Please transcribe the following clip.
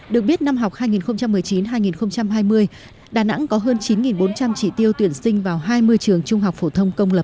được biết năm học hai nghìn một mươi chín hai nghìn hai mươi đà nẵng có hơn chín bốn trăm linh chỉ tiêu tuyển sinh vào hai mươi trường trung học phổ thông công lập